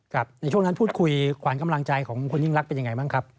ครับในช่วงนั้นพูดคุยขวานกำลังใจของคนนิ่งลักษณ์เป็นยังไงมั้งครับ